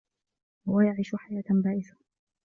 هو يعيش حياة بائسة.